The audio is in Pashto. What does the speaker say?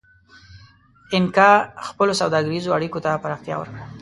اینکا خپلو سوداګریزو اړیکو ته پراختیا ورکړه.